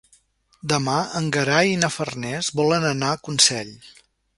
Demà en Gerai i na Farners volen anar a Consell.